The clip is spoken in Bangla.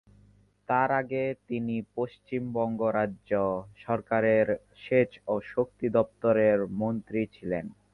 তার আগে তিনি পশ্চিমবঙ্গ রাজ্য সরকারের সেচ ও শক্তি দপ্তরের মন্ত্রী ছিলেন।